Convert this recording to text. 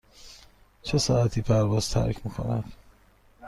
چه ساعتی پرواز ترک می کند؟